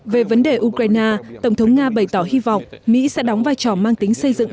về vấn đề ukraine tổng thống nga bày tỏ hy vọng mỹ sẽ đóng vai trò mang tính xây dựng